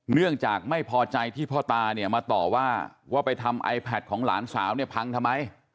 เนื่องจากไม่พอใจที่พ่อตาเนี่ยมาต่อว่าว่าไปทำไอแพทของหลานสาวเนี่ยพังทำไม